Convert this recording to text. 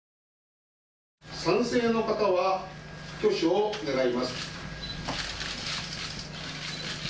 賛成の方は挙手を願います。